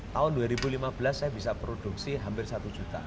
tahun dua ribu lima belas saya bisa produksi hampir satu juta